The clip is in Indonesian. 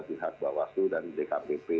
pihak bawasu dan jkpp